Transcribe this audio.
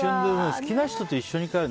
好きな人と一緒に帰る。